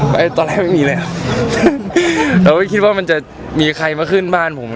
คือตอนแรกไม่มีอะไรหรือว่าอาจจะมีไปในห้วน